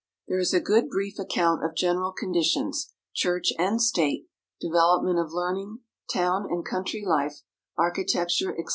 There is a good brief account of general conditions Church and State, development of learning, town and country life, architecture, etc.